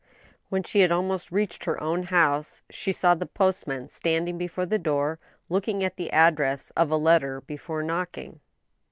When she had almost reached her own house, she saw the post man standing before the door, looking at the address of a letter be* fore knocking.